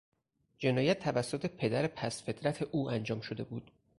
جنایت توسط پدر پستفطرت او انجام شده بود.